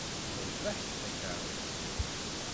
Nerbeḥ-d takeṛṛust.